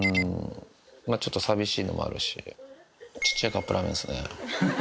ちょっと寂しいのもあるし、ちっちゃいカップ麺ですね。